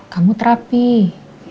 kamu terapi ya